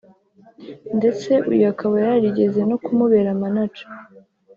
ndetse uyu akaba yarigeze no kumubera Manager